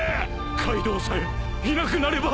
カイドウさえいなくなれば！